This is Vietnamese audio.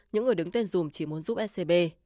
những người đứng tên dùm chỉ muốn giúp scb